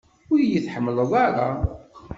Ur iyi-tḥemmleḍ ara?